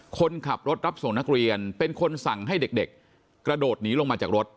คนขับรถรับส่งนักเรียนเป็นคนสั่งให้เด็กกระโดดหนีลงมาจากรถ